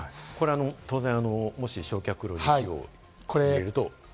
当然、焼却炉に火を入れると。